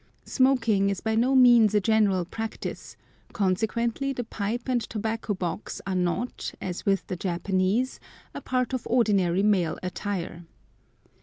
Smoking is by no means a general practice; consequently the pipe and tobacco box are not, as with the Japanese, a part of ordinary male attire.